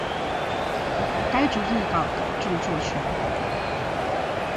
該逐字稿的著作權